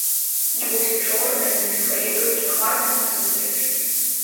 Неба ўсё чорнае, нізкае, і ўрыўкі хмар нам насустрач.